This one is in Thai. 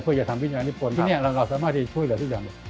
เพื่อจะทำวิทยานิพลที่นี่เราสามารถที่จะช่วยเหลือทุกอย่าง